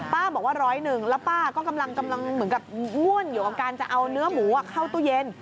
บอกว่าร้อยหนึ่งแล้วป้าก็กำลังเหมือนกับง่วนอยู่กับการจะเอาเนื้อหมูเข้าตู้เย็น